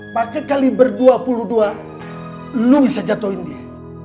maka kali berdua puluh dua lo bisa jatohin dia